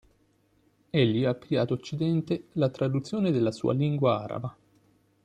Egli aprì ad occidente la traduzione della sua lingua araba.